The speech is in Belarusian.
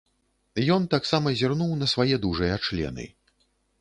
Ён таксама зірнуў на свае дужыя члены.